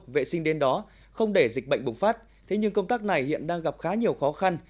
vệ sinh đến đó không để dịch bệnh bùng phát thế nhưng công tác này hiện đang gặp khá nhiều khó khăn